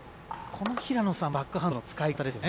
この平野さん、バックハンドの使い方ですよね。